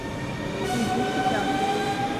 Изи чÿчалтыш.